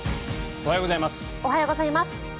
おはようございます。